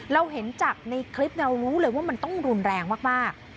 เราเห็นจากในคลิปเรารู้เลยว่ามันต้องรุนแรงมาก